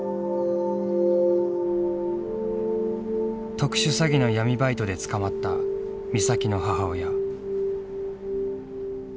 特殊詐欺の闇バイトで捕まった美咲の母親。